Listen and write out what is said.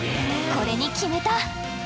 これに決めた。